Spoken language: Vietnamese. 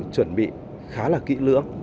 chuẩn bị khá là kỹ lưỡng